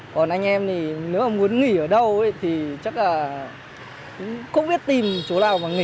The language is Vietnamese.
còn anh em thì nếu mà muốn nghỉ ở đâu thì chắc là cũng biết tìm chỗ nào mà nghỉ